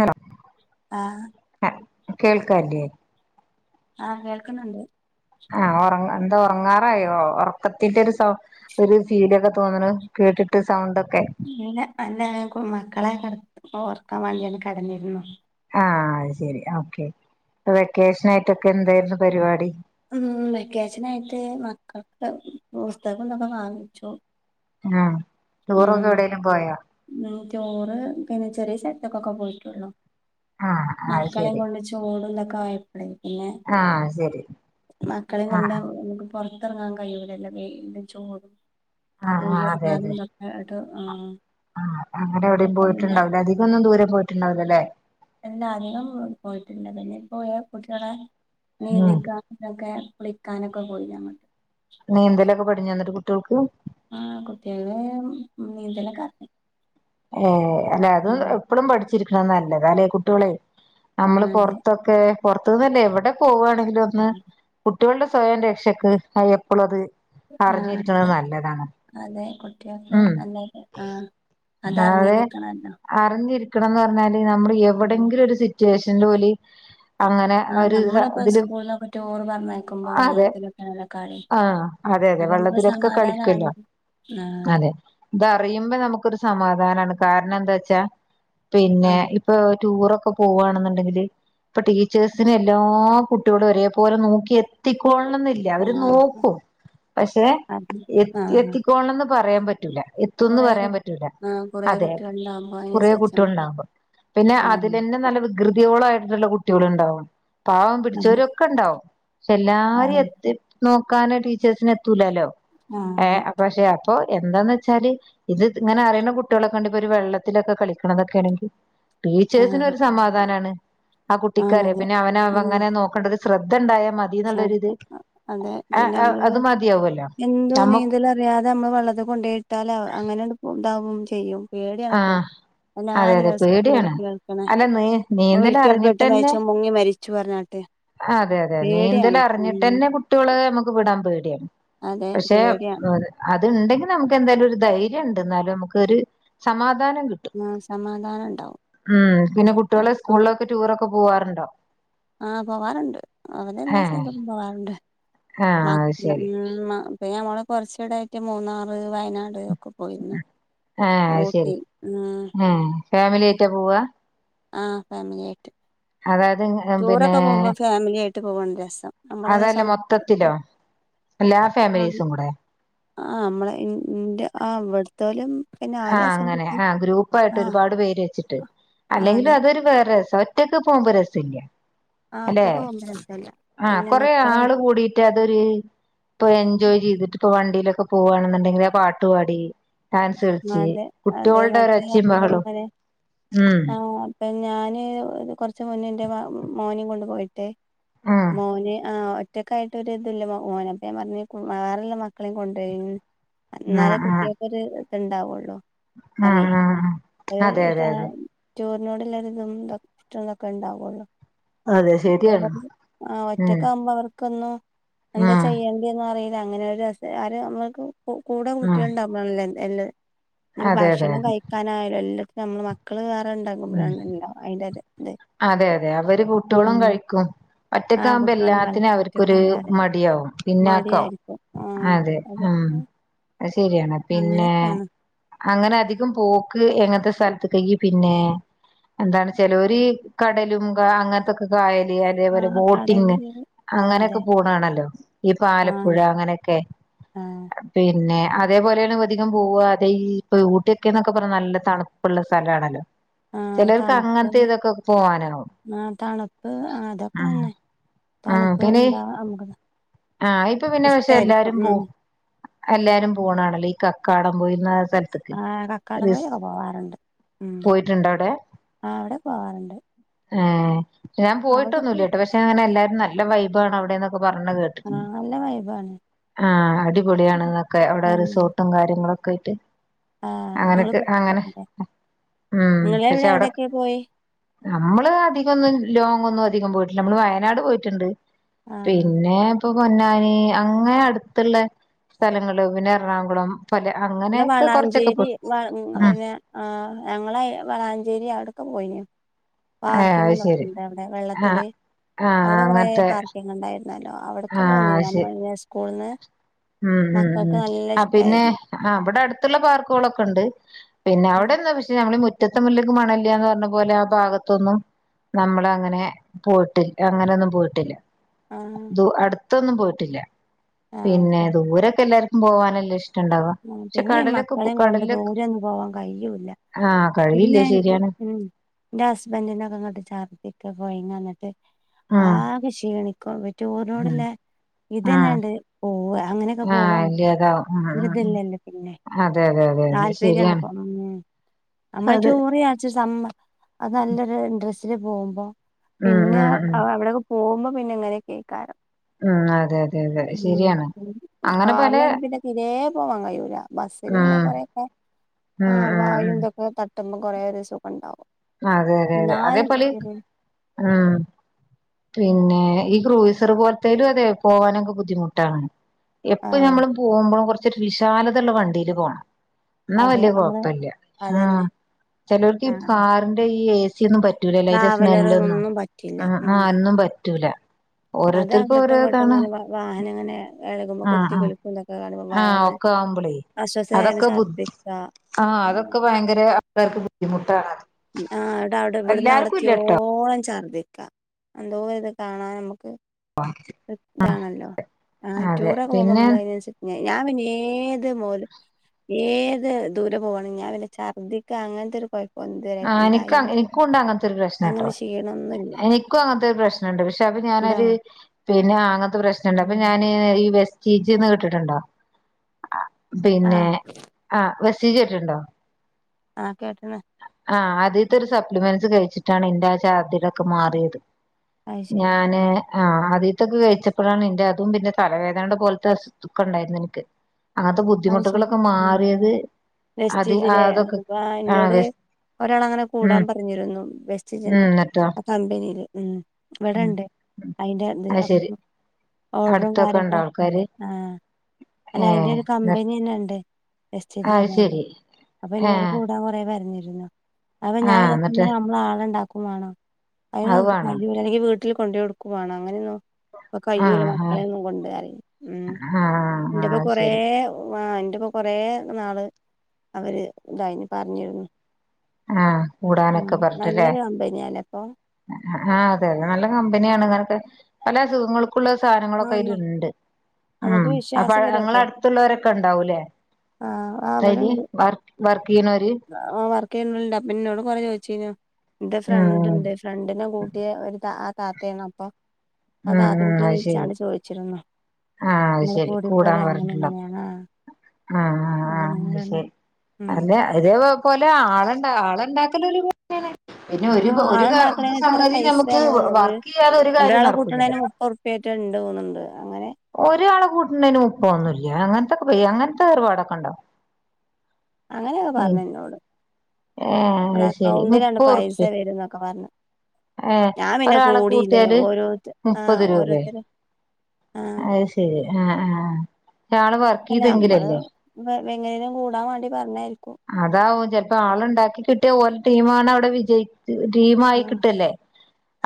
Hello ആ കേൾക്കാല്ലേ ആ കേൾക്കുന്നുണ്ട് ആ ഉറ എന്താ ഉറങ്ങാറായോ ഉറക്കത്തിന്റെ ഒരു സ ഒരു ഫീലൊക്കെ തോന്ന്ണ് കേട്ടിട്ട് സൗണ്ട് പിന്നെ എല്ലാവർക്കും മക്കളെ കെട ഓർക്കാൻ വേണ്ടിയാണ് കാരഞ്ഞിരുന്നു ആ അ അത് ശരി ഓക്കെ ഇപ്പൊ വെക്കേഷൻ ആയിട്ടൊക്കെ എന്തായിരുന്നു പരിപാടി മ് വെക്കേഷനായിട്ട് മക്കൾക്ക് പുസ്തകം ഇതൊക്ക വാങ്ങിച്ചു ആ ടൂറൊക്കെ എവിടേലും പോയാ ടൂർ പിന്നെ ചെറിയ സ്ഥലത്തൊക്കൊക്കെ പോയിട്ടുള്ളു ആ അത് മക്കളെ ശരി കൊണ്ട് ചൂടും കായ പിന്നെ ആ ശരി മക്കളെയും ആ കൊണ്ട് നമുക്ക്‌ പുറത്തു പൊറത്തിറങ്ങാൻ കഴിയൂല്ലല്ലോ വെയിൽ ചൂടും ആ ആ വെളീൽ അതെ ഇരങ്ങൻ അതെ എന്ത പാട ട്ട് ആ ആ അങ്ങനെ എവിടെയും പോയിട്ടുണ്ടാവലേ അധികൊന്നും ദൂരം പോയിട്ടുണ്ടാവില്ലല്ലേ പോയോ പൂച്ചടേ ഉം നീന്തികാടൊക്കെ കുളിക്കാനൊക്കെ പോയീഞ്ഞു ഞങ്ങൾ നീന്തലൊക്കെ പഠിഞ്ഞോ എന്നിട്ട് കുട്ടികൾക്ക് മ് കുട്ടികള് നീന്തലൊക്കെ അറിയാ ഹ അല്ലെ അത് എപ്പളും പഠിച്ച പഠിച്ചിരിക്കണേ നല്ലത അല്ലെ കുട്ടികള് നമ്മള് ആഹ് അതെ പൊറത്തൊക്കെ പുറത്തു നിന്നല്ല എവിടെ പോവുകയാണെങ്കിലും [unintelligible] കുട്ടികളുടെ സ്വയം രക്ഷക്ക് അയപ്പോളത് ആഹ് അതെ അതെ കുട്ട്യേക്ക് ഉം നല്ലരുആ അതർഞ്ഞിരിക്കണല്ലൊ ഞ്ഞിരിക്കണംന്ന് പറഞ്ഞാൽ നമ്മട് എവിടെങ്കിലും ഒരു സി ജേഷന്റോല് അങ്ങനെ ആഹ് ഒരു നമ്മളിപ്പോ ഇതില് സ്കൂളിലൊക്കെ ടൂറ് പറഞ്ഞയക്കുമ്പോ അതെ വെള്ളത്തിലൊക്കെയാണല്ലോ കളി ആ അതെ അതെ അങ്ങനെ ഒരു ഇതില് അപ്പൊ നമുക്ക് വെള്ളത്തിലൊക്കെ സമാധാനാണ് കളിക്കല്ലോ ആഹ് അതെ ഇതറിയുമ്പോ നമുക്കൊരു സമാധാനാണ് കാരണം എന്താ വച്ചാ പിന്നെ ആഹ് ഇപ്പൊ ടൂറൊക് ഇപ്പൊ പോവാണെന്നുണ്ടെങ്കിൽ ഇപ്പൊ ടീച്ചേഴിന് എല്ലാ കുട്ടികളും ഒരേ പോലെ നോക്കി എത്തിക് പോവണന്നില്ല അവര് ആഹ് നോക്കും പക്ഷെ അത് എ ആഹ് എത്തിക്കോണന്ന് പറയാൻ പറ്റ [unintelligible] റ്റുല എത്തുംന്ന് കൊറേ കു പറയാൻ പറ്റ് ആഹ് കൊറേ റ്റുലഅതെ കുട്ടികളുണ്ടാവുമ്പോ കുറേ അതിനനുസരിച്ച് കുട്ടിക നമുക്ക് ളുണ്ടാവുമ്പോ പിന്നെ ആഹ് അതിലന്നെ നല്ല വൃ കൃതിഹോളായിട്ടുള്ള കുട്ട്യേളു ണ്ടാവും പാവം അതെ പിടിച്ചോരൊക്കെ ഉണ്ടാവും ക്ഷെ എല്ലാരി ആഹ് എത് എത് നോക് ക്കാനെ ടീച്ചേഴ്സിന് എത്തൂല്ലല്ലോ ആഹ് ഏ അതെ അപ്പക്ഷേ അപ്പോഎന്താന്ന് വെച്ചാല് ഇത് ഇങ്ങനെ അറിയുന്ന കുട്ടികളൊക്കെ കണ്ട് ഇപ്പോ ഒരു വെള്ളത്തിലൊക്കെ കളിക്കണതൊക്കൊണെങ്കിൽ ആഹ് ടീച്ചേഴ്സിനൊരു സമാധാനമാണ് ആ ആഹ് കുട്ടിക്കറ്യ അതെ പിന്നെ അവന അവ ഉം അങ്ങനെ നോക്കേണ്ടത് ശ്രദ്ധ ഇണ്ടായം [unintelligible] അതെ പിന്നെ നമ്മള് അത് മതിയാവല്ലോ എന്തോ നമ്മ നീന്തല റിയാതെ നമ്മള് വെള്ളത് കൊണ്ടോയിട്ടാല ങ്ങനെണ്ട് പോവും ഉണ്ടാവും ചെയ്യും ആ പേടിയണ്പ്പോ എല്ലാ ആ അതെ അതെ ദിവസം പേടിയാണ് ഇങ്ങനെയൊക്കെ കേൾക്ക്ണേ അല്ല നീ ഒഴു നീന്തൽ ക്കിൽപ്പെട്ടു മരിച്ചു മുങ്ങി മരിച്ചു ച്ചു പറഞ്ഞാട്ട് ആഹ് അതെ തെ തെ പേടിയാണ് ഉം നീന്തലറിഞ്ഞിട്ടന്നെ കുട്ട്യോള് നമു ക്ക്‌വിടാൻ പേടിയാണ് അതെ പക്ഷേ പേടിയാണ് [unintelligible] അ യണ്ടെങ്കിൽ നമുക്ക് എന്തായാലും ഒരു ധൈര്യമൊണ്ട്‌ എന്നാലും നമുക്കൊരു സമാധ വാനേം ട്ടും ആ സമാധാനം ഉണ്ടാവും ഉം പിന്നെ കുട്ടികളെ അപ്പം സ്കൂളിലക്കെ ടൂറക്കെ ക്കൊ പോവാറുണ്ടോ? ആഹ് പോവാറുണ്ട്. അവടെ എല്ലാ സ്ഥലും പോവാറുണ്ട്. ആഹ് അത് ശരി. പി ഞമ്മള് കുറച്ചൂടെയായിട്ട് മൂന്നാറ് വയനാട് ക്ക് പോയിരുന്ന് ആ ഓക്കെ ശരി ഉം. ഏ ഫാമിലി ആയിട്ടാ പോവാ? ആഹ് ഫാമിലി ആയിട്ട്. അതായത് പിന്നെ ടൂറൊക്ക പോകുമ്പോ ഫാമിലി ആയിട്ട് പോവാണ് രസം നമ്മള് അതല്ല സ്വ മൊത്തത്തിലോ എല്ലാ ഫാമിലീസും കുടെ ആ മ്മള് ന്റെ ആ വിടുത്താ ലും ആഹ് അങ്ങനെ ആഹ് ഗ്രൂപ്പായിട്ട് ഒരുപാട് പേര് വെച്ചിട്ട് ആ അല്ലെങ്കിലും അതെ അതൊരു വേറെ ര ഒറ്റക്ക് പോകുമ്പോൾ രസില്ല ആ അല്ലെ ഒറ്റക്ക് പോകുമ്പോ രസല്ല ആ പിന്നെ കൊറെ മക്കളെ ആള് കൂടിയിട്ട് അതൊരു ഇപ്പോ എൻജോയ് ചെയ്തിട്ടിപ്പോ വണ് [unintelligible] ലൊക്കെ പോകുവാണേന്നു ണ്ടെങ്കിൽ ആ പാട്ട് പാടി ഡാൻസ് ക ളി അതെ അതെ മറ്റേയങ്ങനെ ഉം ആ അപ്പം ഞാന് കൊറച്ച് മുന്നേ എൻ്റെ മോ മോനേ കൊണ്ട് പോയി ട്ട് ഉം മോനേ ആ ഒറ്റൊക്കെ ആയിട്ട് ഒരിതും ഇല്ല മോന് അപ്പം ഞാൻ പറഞ്ഞ് വേറെള്ള മക്കളെയും കൊണ്ടയിന് എന്നാലെ കുട്ടികൾക്ക് ഒരു ഉണ്ടാവൊള്ളൂ ആഹ് ആ അതെ അതെ അതെ ചോറിനോടുള്ള ഒരിതും [unintelligible] ഉണ്ടാവൊ ള്ളൂ അതെ ശരിയാണ് ആ ഉം ഒറ്റക്കെ ആവുമ്പോ അവർക്ക് ക്കൊന്നും എന്താ ഉം ചെയ്യേണ്ടിന്ന് അറിയ അങ്ങനെ ഒരു [unintelligible] ആരും നമ്മക്ക് കൂടെ ഉം കുട്ടികളുണ്ട് അമ്മളല്ലന്ന് അല്ലേ ഇപ്പം അതെ അതെ ഭക്ഷണം അതെ കഴിക്കാനായാലും എല്ല നമ്മള് മക്കള് ഉം ഉണ്ടാകുമ്പോഴാണല്ലോ അതിന്റെ ഒരു ഇത് അതെ അതെ അവര് കുട്ടികളും ഉം കഴിക്കും ആ ഒറ്റക്ക് ആകുമ്പോ കുട്ടികളും എല്ലാത്തിനും കളിക്കും അവർക്കൊരു ഒറ്റക്കായാല് മടിയാവും പിന്നാക്കാവും മടിയായിരിക്കും ആ അതെ ഉം അത് ശരിയാണ് പിന്നെ ങ അങ്ങനെയൊക്കെയാണ് അങ്ങനെ അധികം പോക്ക് എങ്ങനത്തെ സ്ഥലത്ത് കയ്യി പിന്നെ എന്താണ് ചെലവര് കടലും അങ്ങനത്തൊക്കെ കായ ആ അതേപോലെ ബോട്ടിംഗ് കടലില് ആ അങ്ങനെയൊക്കെ അതെ പോണ കാണല്ലോ ഇപ്പ ആ ആലപ്പുഴ അങ്ങനെയൊക്കെ ആ പിന്നെ അതേപോലെയാണ് അധികം പോവുക അതെ ഈ ഇപ്പൊ ഊട്ടിയൊക്കെന്നൊക്കെ പറഞ്ഞ നല്ല തണുപ്പുള്ള സ്ഥലാണല്ലോ ആ ചെലോർക്ക് തണുപ്പ് അങ്ങനത്തെ ഇതൊക്കെ പോവാനാവും ആ തണുപ്പ് അതൊക്കെ ഉം തന്നെ ഉം തണുപ്പ് പിന്നെ ഇണ്ടാ നമുക്ക് ആഹ് ഇപ്പൊ പിന്നെ പക്ഷെ ഇഷ്ടായിരിക്കും എല്ലാരും ഉം. പോവും എല്ലാരും പോണാണല്ലോ ഈ കക്കാടം പോയി ആ കക്കാടം വഴിക്കെ പോവാറുണ്ട് ഉം പോയിട്ടുണ്ടോ അവിടെ ആ അവിടെ പോവാറുണ്ട്. ആ ഞാൻ പോയിട്ടൊന്നു അവിടൊക്കെ ഇല്ലട്ടൊ പക്ഷെ അങ്ങനെ എല്ലാരും നല്ല നല്ല വൈബാണ് അവിടെന്ന ഇപ്പം പറഞ്ഞ ആഹ് കേട്ടിക്ക്ണ് നല്ല വൈബാണ് ആ അടിപൊളിയണൊക്കെ അവിടെ റിസോർട്ടും കാര്യങ്ങളും. പോയിട്ട് ആ നിങ്ങള് ഇപ്പം ഉം പക്ഷെ അവിടെ നമ്മള് അധികം ഒന്നും ലോങ്ങ് ഒന്നും അധികം പോയിട്ടില്ല നമ്മള് വയനാട് പോയിട്ടുണ്ട് ആഹ് പിന്നെ ഇപ്പൊ പൊന്നാനി അങ്ങനെ അടുത്തുള്ള സ്ഥലങ്ങള് പിന്നെ എറണാകുളം. പല നിങ്ങള് അങ്ങനെയൊക്കെ കൊറച്ചൊക്കെ വളാഞ്ചേരി പോയി ഉം [unintelligible] ആ ഞങ്ങള് വളാഞ്ചേരി അവിടക്കെ പോയിനു ഏഹ് അത് ശരി പാർക്കിങ്ങന്നൊക്കെണ്ട് അവിടെ ആഹ് വെള്ളത്തില് ആഹ് അവിടെ കുറെ അങ്ങനത്തെ പാർക്കിങ് ഉണ്ടായിരുന്നല്ലോ അവിടക്കൊക്കെ ആഹ് വന്നിനു ശരി നമ്മള് സ്കൂള്ന്ന്. ഉം ഉം ഉം ആ പിന്നെ ആ അവിടെ അടുത്തുള്ള പാർക്കുകളൊക്കെ ഉണ്ട് പിന്നെ ആഹ് അവിടെന്ന് പക്ഷെ നമ്മ മുറ്റത്തെ മുല്ലക്ക് മണ ഇല്ലാന്ന് പറഞ്ഞ പോലെ ആ ഭാഗത്തൊന്നും നമ്മള് അങ്ങനെ പോയിട്ടില്ല അങ്ങനെയൊന്നും പോയിട്ടില്ല. ആഹ് ദു അടു ത്തൊന്നും പോയിട്ടില്ല പിന്നെ ആഹ് ദൂരൊക്കെല്ലാർ പോവാനല്ല ഇഷ് ആ പിന്നെ മക്കളെയും കൊണ്ട് ദൂരൊന്നും പോവാൻ കഴിയൂല്ല ആഹ് പിന്നെ കഴിയില്ലേ ഉം ശരിയാണ് എന്റെ ഹസ്ബന്റിനൊക്കെങ്ങട്ട് ചർദി ഒക്കെ പോയിങ്ങ ന്നട്ട് ഉം ആകെ ക്ഷീണിക്കും ഉം റ്റൂറിനോട്ല്ലെ ആഹ് ഇതന്നാണ്ട് പോവ അങ്ങനെയൊക്കെ പോവാ ആഹ് നമ്മക്ക് ഇല്ല്യതാവും ഉം ഉം ഉം വെറുതല്ലല്ലേ പിന്നെ അതെ അതെ അതെ അതെ താല്പര്യാണ് ശരിയാണ് പോണം നമ്മള് അതെ ടൂറ് ചാരിച് [unintelligible] അത് നല്ലൊരു ഇൻഡ്രസ്സില് പോകുമ്പോ ഉം പിന്നെ ഉം ഉം അവിടെ പോകുമ്പോ പിന്നെ ങ്ങനെക്കയ്ക്കാരം ഉം അതെ അതെ അതെ ഉം ശരിയാണ് അങ്ങനെ പലേ കാറിലൊന്നും പിന്നെ തിരേ പോവാൻ കഴിയൂല ബസ്സില് പിന്നെ ഉം കൊറെയൊക്കെ ആ ഉം ഉം ഉം വായുന്തൊക്കെ തട്ട് ട്ടുമ്പോ കുറേ ഒരു സുഖണ്ടാവും അതെ അതെ അതെ അതേപോലെ ഉം പിന്നെ ഈ ഗ്രൂയിസർ പോലത്തലും അതെ പോവാനൊക്കെ ബുദ്ധിമുട്ടാണ് എപ്പം ആഹ് ഞമ്മളും പോകുമ്പോഴും കുറച്ച് തൊരു വിശാലതുള്ള വണ്ടിയില് പോണം എന്നാ അതെ വല്യയ നമ്മള് കൊഴപ്പില്ല ആ അതന്നെ ചിലർക്ക് ആഹ് കാറിന്റെ ഈ ഏസ സായൊന്നും പറ്റൂലലെ അതിന്റെ സ്മെല്ലൊന്നും ട്രാവലർതൊന്നും പറ്റില്ല മ്മ് ആ ഉം ന്നും പറ്റ് പറ്റൂല അത് ഓരോരുത്തർക്കും അങ്ങട്ടും ഓരോ ഇതാണ് ഇങ്ങട്ടുങ്ങനെ വാഹനം ഇങ്ങനെ എളകുമ്പോ കുത്തി കുലുക്കുന്നൊക്കെ ആ ഒക്കെ ആവുമ്പളേ അതൊക്കെ ബുദ് ഛർദ്ദിക്ക ആ ആഹ് അതൊക്കെ ഭയങ്കര ആൾക്കാർക്ക് ബുദ് ദ്ധിമുട്ടാണ് ത് ആ അവിടെ അവിടെ ഇവിടുന്ന് അവിടെത്തിയോളം ചർദി ക്ക എന്തോ ഇത് കാണാൻ നമുക്ക് ഇതാണല്ലോ ആ അതെ ടൂറൊക്കെ പോകുമ്പോൾ പിന്നെ നമ്മള് അതിനനുസരിച്ച് ഞാൻ പിന്നെ ഏത് മോലും ഏത് ദൂരെ പോവണിം ഞാൻ പിന്നെ ഛർദ്ദിക്ക അങ്ങൻത്തെ ഒരു പ ആ നിക്ക എനിക്കുണ്ട് അങ്ങനത്തെ ഒരു പ്രശ്നം ട്ടോ അങ്ങനെ ക്ഷീണൊന്നുല്ല എനിക്കും അങ്ങനത്തെ ഒരു പ്രശ്നുണ്ട് പക്ഷെ അപ്പൊ ഇണ്ടോ ഞാനൊരു പിന്നെ ആങ്ങ പ്രശ്നണ്ട് അപ്പ ഉം ഞാന് ഈ വെഷ് ചീജിന്ന് കെട്ടിട്ടുണ്ടോ പിന്നെ ആഹ് ആഹ് വെഷ് ചീച് കേട്ടണ്ടോ ആഹ് കേട്ടണ് ആ അതീത്തെ ഒരു സപ്ലിമെന്റ്സ് കഴിച്ചിട്ടാണ് ന്റെ ആ ഛർദിതൊക്കെ മാറിയത് അത് ശരി ഞാന് ആഹ് ആഹ് അത് ഇതൊക്കെ കഴിച്ചപ്പോഴാണ് ന്റെ അതും പിന്നെ തലവേദനയുടെ പോലത്തെ സ് ദുഖ ഉണ്ടായിരുന്നു എനിക്ക് ആത് അത് ശരി ബുദ്ധിമുട്ടുകളൊക്കെ ആഹ് മാറിയത് അത് വെസ്റ്റീജിലെ അതൊക്കെ ആ വെസ് ഒരാൾ അങ്ങനെ ഉം കൂടാൻ പറഞ്ഞിരുന്നു ഉം പ്രെസ്ടിജ്ന്റെ ന്നിട്ടോ ആ കമ്പനി തീൽ ഉം ഉം ഇവിടെണ്ട് അയ്ന്റെ ത് അത് ശരി ഓർഡറും അടുത്തൊക്കെ ഉണ്ടോ ആൾക്കാര് കാര്യങ്ങളൊക്കെണ്ട് ആ അല്ല അയ് ന്റെ ഒരു ഏ കമ്പനി ന്നെ ണ്ട് എസ്ടെജ് ന്നു അത് പറഞ് ശരി കണ്ട് അപ്പൊ ന്നോട് ഏഹ് കൂടാൻ കൊറേ പറഞ്ഞ് പിന്നെ അപ്പൊ ഞാൻ ആഹ് എന്നിട്ട് വിചാരിച്ചു നമ്മളാളുണ്ടാ ക്കു മാണം അത് അയ്നൊന്നുംപ്പോ വേണം കയ്യൂല്ലല്ലൊ ഈ വീ ട്ടിൽ കൊണ്ടേകൊടുക്കും വാണം അങ്ങനെന്നു അപ്പൊ ആഹ് കയ്യൂല ആഹ് മക്കളെ ഒന്നും കൊണ്ടരാന് മ്മ് ആഹ് ആഹ് ന്റെപ്പം അത് കൊറേ ശരി ആ ന്റെപ്പൊ കൊറേ നാള് അവര് ഇതായിന് പറഞ്ഞിരുന്നു ആഹ് ആ കൂടാനൊക്കെ പറഞ്ഞിട്ട്ല്ലേ നല്ലൊരു കമ്പനിയാല്ലേ അപ്പൊ അ ആഹ് അതെ അതെ നല്ല കമ്പനിയാണ് അങ്ങനൊക്കെ പല അസുഖങ്ങൾ ക്കുള്ള ആ സാധനങ്ങളൊക്കെ അതിലിണ്ട് ഉം നമുക്ക് അപ്പ വിശ്വാസം വരും അപ്പൊ ഞങ്ങളട്‌ത്തുള്ളോരൊക്കെ ഇണ്ടാവും ലെ ആ ആ അയില് ഇവിടെണ്ട് വർക്ക് വർക്കെയ്യ്ണോര് ക്കെയ്യുന്നോലിണ്ട് അപ്പ ഇന്നോട് കൊറേ ചോയിച്ചീനു ന്റെ ഉം ഫ്രണ്ട്ണ്ട് ഫ്രണ്ടിനെ കൂട്ടിയ ഒരു താ താത്തേണ് അപ്പൊ അ ഉം താത്ത ഇൻക്ക് വിളി [unintelligible] ആഹ് അത് നിങ്ങള് ശരി കൂടാൻ കൂടിക്കോളി അങ്ങനെ പറഞ്ഞിട്ടുള്ള ഇങ്ങനെയാണ് ആ ആ ആ അപ്പൊ ആ ഞാൻ പറഞ്ഞു ശരി ഉം അല്ല അതേ പോലെ ആളെണ്ടാ ആളെണ്ടാക്കല് ഒരു പണിയാണ് പിന്നെ ഒരു ആഹ് ഒരു ഇത് ആളുണ്ടാക്കണേന് എത്ര സംഗതി നമുക്ക് വർക്ക് ചെയ്യാതെ ഒരു കാര്യം നടക്കു ണേന് മുപ്പുർപ്പിയേട്ടി ഇണ്ട് തോന്നിണ്ട് ണ്ണന് മുപ്പോന്നുല്ല്യ അങ്ങനത്തൊക്കെ പയ്യ അങ്ങൻത്തെ ഏറ്പാടൊക്കെണ്ടോ അങ്ങനൊക്കെ പറഞ്ഞു ഇന്നോട് ഏഹ് ങ്ങള അത് എക്കൗണ്ടിലണ്ട് പൈസ വരുന്നൊക്കെ പറഞ്ഞു ഏ ഞാൻ പിന്നെ ഒരാളെ കൂടിയില്ല കൂട്ടിയാല് ഓരോ ആഹ് മുപ്പത് രൂപെ ഓരോരുത്തര് ആഹ് അയ്ശെരി ആഹ് ആഹ് ഒരാള് വർക്ക് അല്ല ഞമ്മള് ചെയ്തെങ്കിലല്ലേ എ എങ്ങനേലും കൂടാൻ വേണ്ടി പറഞ്ഞായിരി അതാവും ചെല് ഒരാള്ണ്ടാക്കിക്കിട്ടിയാ ഓലെ ടീമാണവടെ വിജയി ച്ച് ആഹ് ടീമായിക്കിട്ടല്ലേ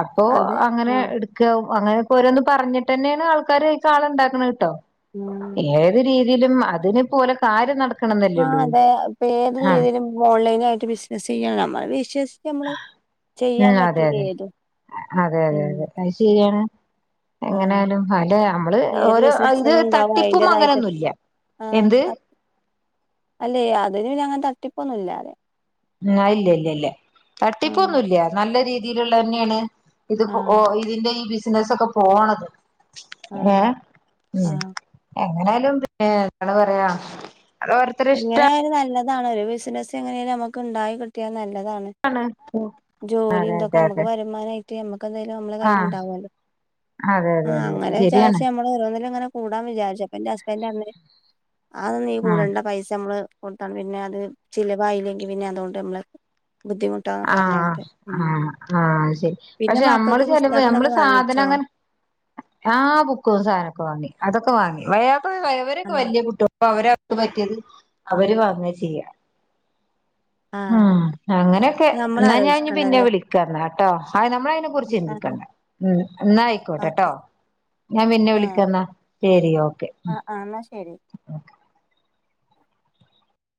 അപ്പോ അതെ അങ്ങനെ ആഹ് എട്ക്കാവും അങ്ങനെക്കെ ഓരോന്ന് പറഞ്ഞിട്ടന്നെയാണ് ആൾക്കാര് അയ്ക്കാളെ ഇണ്ടാക്കിണ് ട്ടോ. ഉം ഏത് രീ ലും അതിന് ഇപ്പോല് കാര്യം നട ക്കണം ആഹ് ന്നല്ലേള്ളൂ അതെ ഇപ്പ ഏത് രീതിയിലും ഓൺലൈനായിട്ട് ബിസിനസ് ചെയ്യാണ് നമ്മള് വിശ്വ ഉം അതെ അതെ ഏതും അതെ അതെ ഉം അതെ അത് ശെരിയാണ്. ആഹ് എങ്ങനായലും അല്ലെ നമ്മള് ഏത് ഓരോ ഐല് ബിസിനസിനും ഉണ്ടാവും തട്ടിപ്പും അതിന്റേതായിട്ട് അങ്ങനൊന്നുല്ല എന്ത് ആഹ് അല്ലേ അതിന് പിന്നങ്ങനെ തട്ടിപ്പൊന്നുല്ലാലേ മ് അയില്യ ഇല്യ ഇല്യ ആഹ് തട്ടിപ്പൊന്നുല്യ നല്ല രീ തീലിള്ള തന്നെയാണ്. ഇത്പ്പോ ഓ ആഹ് ഇതിന്റെ ഈ ബിസ് നെസൊക്കെപോണത്. ഏ ആഹ് മ് ഏ ആഹ് എങ്ങനായാലും [unintelligible] പറയാ അത് ഓരോരുത്തരെ ഇഷ്ടാ എങ്ങനെയായാലും നല്ല അതാണ് ഒരു ബസിനസ് എങ്ങനേലും നമുക്ക് ഉണ്ടായി കിട്ടിയന്ന ല്ലതാണ് അതെ ജോലിതൊക്കെ അതെ നമുക്ക് അതെ വരുമാനായി റ്റി മ്മ ക്കെന്തേലും നമ്മളെ ആഹ് കയ്യിലുണ്ടാവല്ലോ അതെ ആ അതെ അതെ അങ്ങനെ ശരിയാണ് വിചാരിച്ച് നമ്മള് [unintelligible] അങ്ങനെ കൂടാം വിചാരിച്ചു അപ്പ ന്റെ ഹസ്ബൻഡ് റഞ്ഞത് അതൊന്നും നീ ആഹ് കൂടണ്ട പൈസമ്മള് കൊടുത്ത പിന്നെ അത് ചിലവായില്ലെങ്കിൽ പിന്നെ അതുകൊണ്ട് നമ്മള് ബുദ്ധിമുട്ടാന്നൊക്കെ ആ പറഞ്ഞിട്ട് ഉം ആആ ശരി പിന്നെ പക്ഷെ മ്മള് മക്കൾക്ക് ചെല്ലുമ്പേ പുസ്തകം മ്മള് ഇതൊക്കെ വാങ്ങിച്ചോ സാധനങ്ങനെ ആ ബുക്കും സാധനോക്കെ വാങ്ങി അതൊ ക്കു വാങ്ങി [unintelligible] പ്പ യവരൊക്കെ ആഹ് വലിയ കുട്ടിയൊ പ്പവരോ ക്ക് പറ്റിയത് അവര് പറഞ്ഞത് ചെയ്യാം ആഹ് ഉം അങ്ങനെ ക്കെ നമ്മൾ ന്നാ ഞാൻ ഇനി പിന്നെ ആലോചിക്കണ്ടല്ലേ വിളിക്കാന്നാ ട്ടോ ആ നമ്മള് അയിനെ കുറിച്ച് ആ ചിന്തിക്കണ്ട ഉം ന്നാ ആയിക്കോട്ടെട്ടോ ഓക്കെ ഞാൻ പിന്നെ ആഹ് വിളിക്കാന്നാ ശെരി ഓക്കെ ഉം ആഹ് ആഹ് എന്നാ ശരി ഉം